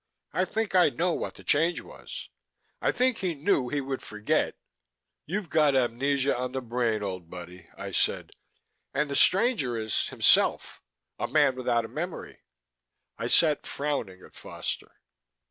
"I think I know what the Change was. I think he knew he would forget " "You've got amnesia on the brain, old buddy," I said. " and the stranger is himself. A man without a memory." I sat frowning at Foster.